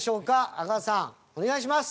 阿川さんお願いします。